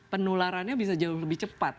penularannya bisa jauh lebih cepat